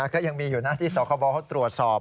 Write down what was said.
ก็ยังมีอยู่หน้าที่สาวคบตรวจสอบ